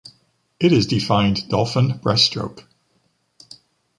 It is defined dolphin breaststroke.